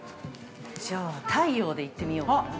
◆じゃあ太陽でいってみようかな。